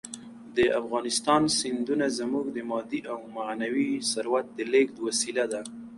د افغانستان سیندونه زموږ د مادي او معنوي ثروت د لېږد وسیله ده.